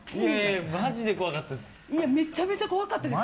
マジで怖かったです。